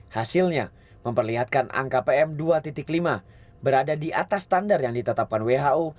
hasilnya memperlihatkan angka pm dua lima berada di atas standar yang ditetapkan who